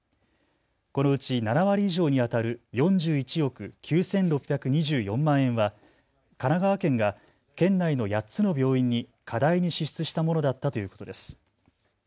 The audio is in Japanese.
このうち７割以上にあたる４１億９６２４万円は神奈川県が県内の８つの病院に過大に支出したものだったということです。